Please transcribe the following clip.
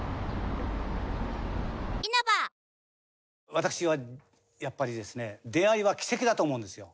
私はやっぱりですね出会いは奇跡だと思うんですよ。